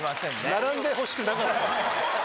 並んでほしくなかった。